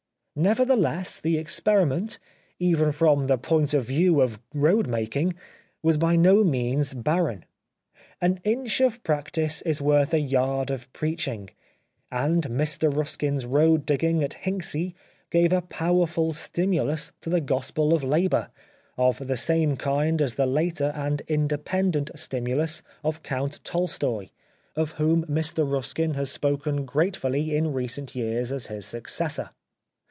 Nevertheless the experiment, even from the point of view of road making, was by no means barren. An inch of practice is worth a yard of 128 The Life of Oscar Wilde preaching ; and Mr Ruskin's road digging at Hincksey gave a powerful stimulus to the Gospel of Labour, of the same kind as the later and independent stimulus of Count Tolstoi ; of whom Mr Ruskin has spoken gratefully in recent years as his successor.